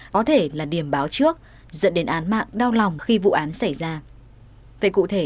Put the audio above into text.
có thể là điểm báo trước dẫn đến án mạng đau lòng khi vụ án xảy ra vậy cụ thể